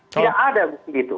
tidak ada begitu